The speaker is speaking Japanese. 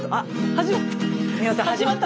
始まった。